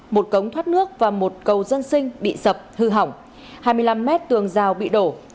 một cống thoát nước và một cầu dân sinh bị sập hư hỏng hai mươi năm mét tường rào bị đổ